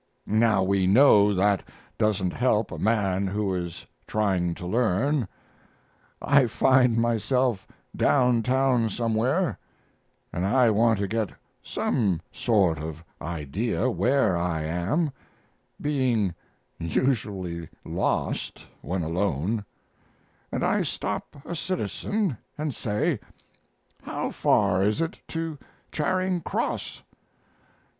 Now we know that doesn't help a man who is trying to learn. I find myself down town somewhere, and I want to get some sort of idea where I am being usually lost when alone and I stop a citizen and say, "How far is it to Charing Cross?"